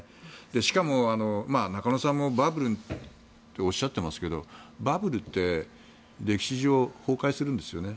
しかも、中野さんもバブルとおっしゃっていますがバブルって歴史上、崩壊するんですよね。